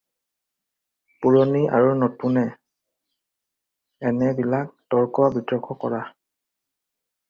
পুৰণি আৰু নতুনে এনে বিলাক তৰ্ক বিতৰ্ক কৰা